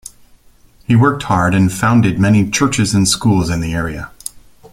He worked hard and founded many churches and schools in the area.